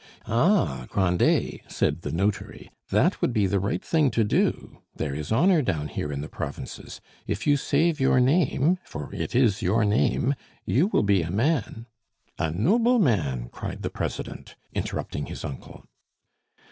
"Ah! Grandet," said the notary, "that would be the right thing to do. There is honor down here in the provinces. If you save your name for it is your name you will be a man " "A noble man!" cried the president, interrupting his uncle.